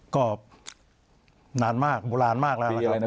ก็นานมากมุลารมากแล้วนะครับ